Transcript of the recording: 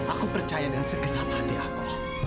aku percaya dengan segenap hati aku